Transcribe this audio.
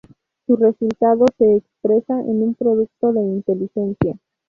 Su resultado se expresa en un producto de inteligencia.